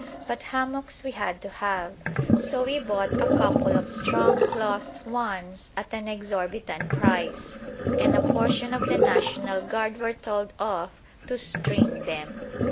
But hammocks we had to have, so we bought a couple of strong cloth ones at an exorbitant price, and a portion of the National Guard were told off to string them.